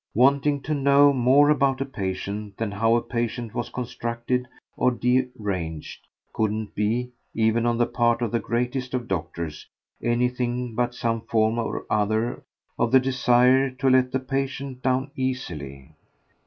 Wanting to know more about a patient than how a patient was constructed or deranged couldn't be, even on the part of the greatest of doctors, anything but some form or other of the desire to let the patient down easily.